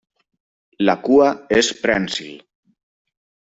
La cua és prènsil.